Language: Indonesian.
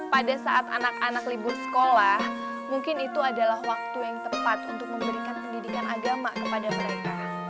pada saat anak anak libur sekolah mungkin itu adalah waktu yang tepat untuk memberikan pendidikan agama kepada mereka